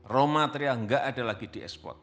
raw material nggak ada lagi di ekspor